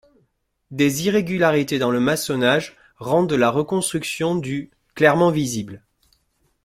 Des irrégularités dans le maçonnage rendent la reconstruction du clairement visible.